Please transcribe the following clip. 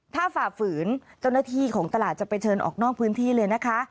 ถ้าฝ่าฝืนเจ้าหน้าที่ของตลาดจะไปเชิญออกนอกพื้นที่เลยนะคะ